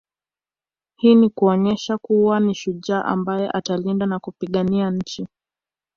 Hii ni kuonesha kuwa ni shujaa ambaye atalinda na kupigania nchi